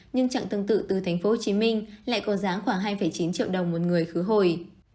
nhưng chặng tương tự từ tp hcm lại có giá khoảng hai chín triệu đồng một người khứ hồi